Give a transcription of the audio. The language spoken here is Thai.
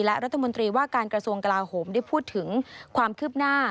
และรัฐมนตรีว่าการกระทรวงกลาโหมได้พูดถึงความคืบหน้า